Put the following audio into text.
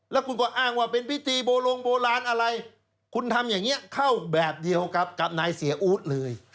แล้วคุณก็อ้างว่าเป็นพิธีโบลงโบราณอะไรคุณทำอย่างนี้เข้าแบบเดียวกับนายเสียอู๊ดเลย